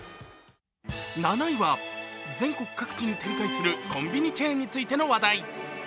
７位は、全国各地に展開するコンビニチェーンについての話題。